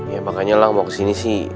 ya makanya lah mau kesini sih